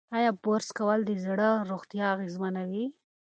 ایا برس کول د زړه روغتیا اغېزمنوي؟